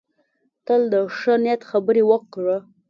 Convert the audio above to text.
تل د ښه نیت خبرې وکړه.